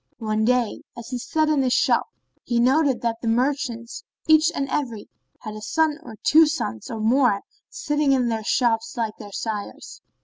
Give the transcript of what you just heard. One day, as he sat in his shop, he noted that the merchants, each and every, had a son or two sons or more sitting in their shops like their sires.